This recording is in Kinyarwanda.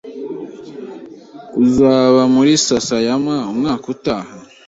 Uzaba muri Sasayama umwaka utaha?